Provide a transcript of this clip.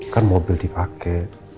kan mobil dipake